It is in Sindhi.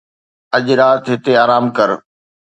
اڄ رات هتي آرام ڪر